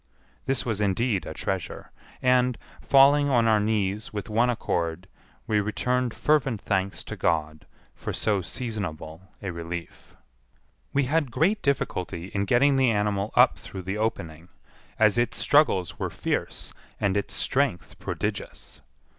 This was indeed a treasure; and, falling on our knees with one accord, we returned fervent thanks to God for so seasonable a relief. We had great difficulty in getting the animal up through the opening, as its struggles were fierce and its strength prodigious.